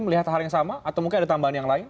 melihat hal yang sama atau mungkin ada tambahan yang lain